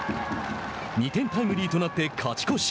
２点タイムリーとなって勝ち越し。